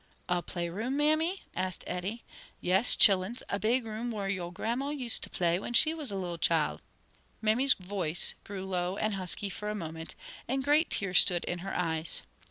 "A play room, mammy?" asked Eddie. "Yes, chillins, a big room whar yo' grandma used to play when she was a little chile." Mammy's voice grew low and husky for a moment, and great tears stood in her eyes.